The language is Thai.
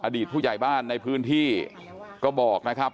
อดีตผู้ใหญ่บ้านในพื้นที่ก็บอกนะครับ